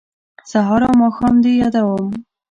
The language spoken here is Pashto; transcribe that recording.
سهار او ماښام دې یادوم